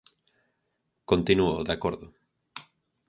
Continúo, de acordo.